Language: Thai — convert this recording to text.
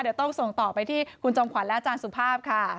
เดี๋ยวต้องส่งต่อไปที่คุณจอมขวัญและอาจารย์สุภาพค่ะ